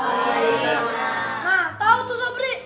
nah tahu tuh sobri